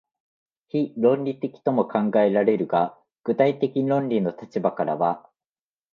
非論理的とも考えられるが、具体的論理の立場からは、